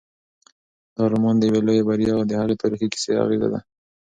دا رومان د یوې لویې بریا او د هغې د تاریخي اغېزو کیسه ده.